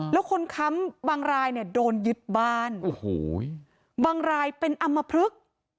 แล้วคนค้ำบางรายโดนยึดบ้านบางรายเป็นอำมพลึก